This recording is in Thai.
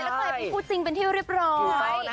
แล้วข่าวคุณคู่จิ้นเป็นที่เรียบร้อย